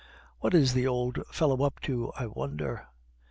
What is the old fellow up to, I wonder?